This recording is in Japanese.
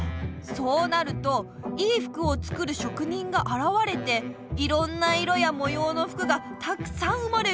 そうなるといい服を作る職人があらわれていろんな色やもようの服がたくさん生まれる。